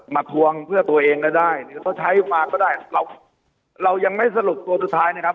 ทวงเพื่อตัวเองก็ได้หรือเขาใช้มาก็ได้เราเรายังไม่สรุปตัวสุดท้ายนะครับ